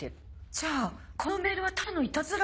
じゃあこのメールはただのいたずら。